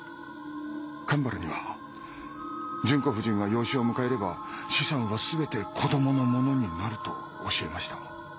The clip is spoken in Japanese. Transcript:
神原には純子夫人が養子を迎えれば資産はすべて子どものものになると教えました。